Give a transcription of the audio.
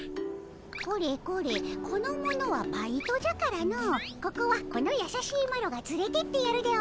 これこれこの者はバイトじゃからのここはこのやさしいマロがつれてってやるでおじゃる。